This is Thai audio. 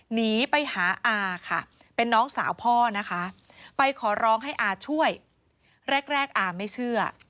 หนีไปหาอาค่ะเป็นน้องสาวพ่อนะคะไปขอร้องให้อาช่วยแรกอาไม่เชื่อ